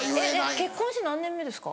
結婚して何年目ですか？